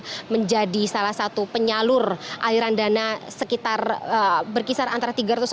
apakah memang ini diduga untuk melihat bagaimana aliran dana sekitar berkisar antara tiga ratus sampai dengan tiga ratus lima puluh juta ke lima puluh